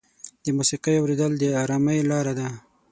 د موسیقۍ اورېدل د ارامۍ لاره ده.